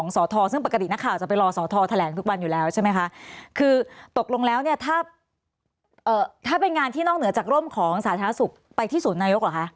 สทซึ่งปกตินักข่าวจะไปรอสอทอแถลงทุกวันอยู่แล้วใช่ไหมคะคือตกลงแล้วเนี่ยถ้าเป็นงานที่นอกเหนือจากร่มของสาธารณสุขไปที่ศูนย์นายกเหรอคะ